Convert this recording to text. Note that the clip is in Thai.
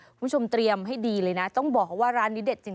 คุณผู้ชมเตรียมให้ดีเลยนะต้องบอกว่าร้านนี้เด็ดจริง